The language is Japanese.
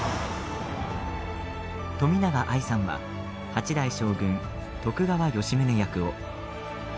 冨永愛さんは八代将軍・徳川吉宗役を。